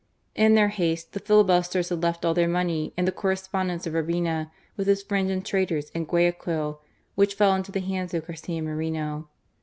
In their haste, the filibusters had left all their money and the correspondence of Urbina with his friends and traitors in Guayaquil, which fell into the hands of Garcia Moreno.